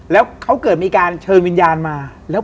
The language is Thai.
แล้วเขาเกิดมีการเชิญวิญญาณมาแล้ว